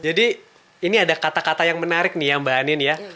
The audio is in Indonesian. jadi ini ada kata kata yang menarik nih ya mbak anindita ya